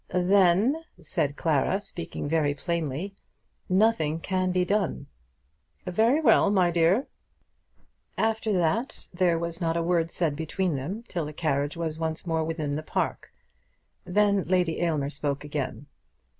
"Then," said Clara, speaking very plainly, "nothing can be done." "Very well, my dear." After that there was not a word said between them till the carriage was once more within the park. Then Lady Aylmer spoke again.